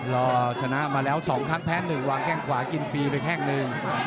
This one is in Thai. รอชนะมาแล้ว๒ครั้งแพ้๑วางแขกขวากินฟรีไปแค่๑